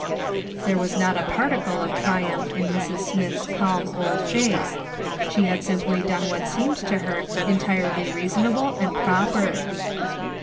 There was not a particle of triumph in Mrs. Smith's calm old face ; she had simply done what seemed to her entirely reasonable and proper.